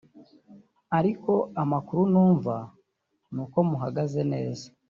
ariko amakuru numva nuko muhagaze neza